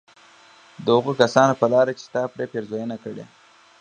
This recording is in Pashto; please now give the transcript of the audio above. د هغو كسانو په لار چي تا پرې پېرزوينه كړې